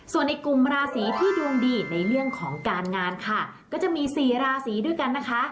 ส่วนในกลุ่มราศีที่ดวงดีในเรื่องของการงานค่ะก็จะมีสี่ราศีด้วยกันนะคะ